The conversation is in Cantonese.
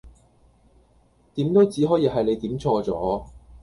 點都只可以係你點錯咗